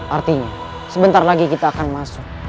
artinya sebentar lagi kita akan masuk